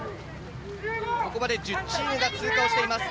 ここまで１０チームが通過しています。